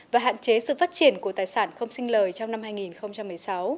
và hạn chế sự phát triển của tài sản không sinh lời trong năm hai nghìn một mươi sáu